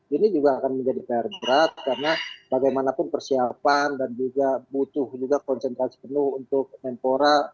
ini juga akan menjadi pr berat karena bagaimanapun persiapan dan juga butuh juga konsentrasi penuh untuk menpora